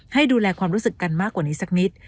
ให้ดูแลความรู้สึกกันมากกว่านี้สักนิด